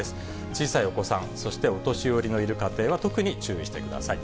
小さいお子さん、そしてお年寄りのいる家庭は、特に注意してください。